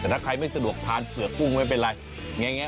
แต่ถ้าใครไม่สะดวกทานเหลือกุ้งไม่เป็นไร